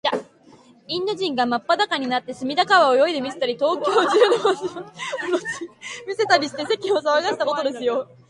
インド人がまっぱだかになって、隅田川を泳いでみせたり、東京中の町々を、うろついてみせたりして、世間をさわがせたことですよ。